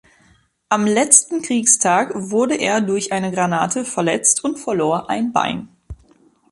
Am letzten Kriegstag wurde er durch eine Granate verletzt und verlor ein Bein.